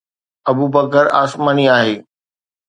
ابوبڪر آسماني آهي